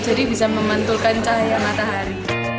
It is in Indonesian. jadi bisa memantulkan cahaya matahari